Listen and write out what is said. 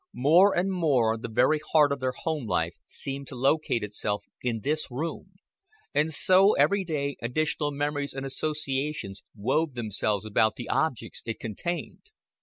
More and more the very heart of their home life seemed to locate itself in this room, and so every day additional memories and associations wove themselves about the objects it contained.